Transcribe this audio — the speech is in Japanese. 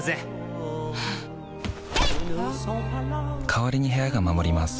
代わりに部屋が守ります